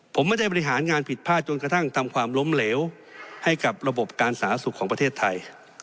ผมไม่ได้บริหารงานผิดพลาดจนกระทั่งทำความล้มเหลวให้กับระบบการสาธารณสุขของประเทศไทย